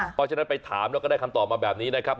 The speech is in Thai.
เพราะฉะนั้นไปถามแล้วก็ได้คำตอบมาแบบนี้นะครับ